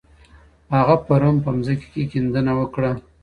هغه پرون په مځکي کي کیندنه وکړه.